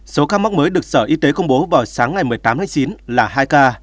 số ca mắc mới được sở y tế công bố vào sáng ngày một mươi tám tháng chín là hai ca